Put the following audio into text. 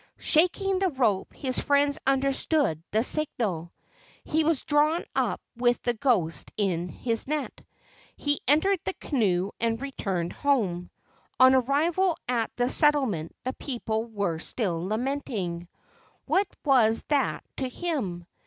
Shaking the rope his friends understood the signal. He was drawn up with the ghost in his net. He entered the canoe and returned home. On arrival at the settlement the people were still lamenting. What was that to him?